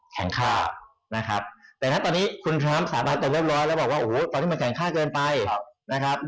ตั้งความสามารถตกรวบร้อยแล้วบอกว่าตอนที่มันแข็งค่าเกินไป